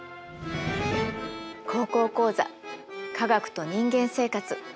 「高校講座科学と人間生活」。